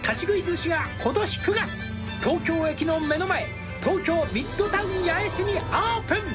寿司が今年９月」「東京駅の目の前東京ミッドタウン八重洲にオープン」